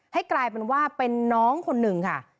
ให้กลายเป็นว่าเป็นน้องคนหนึ่งค่ะ